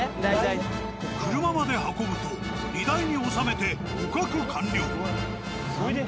車まで運ぶと荷台に収めて捕獲完了。